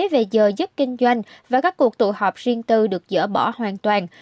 về giờ giúp kinh doanh và các cuộc tụ họp riêng tư được dỡ bỏ hoàn toàn